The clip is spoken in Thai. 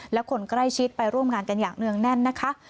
และคนใกล้ชิดไปร่วมงานกันอย่างเนื่องแน่นนะคะ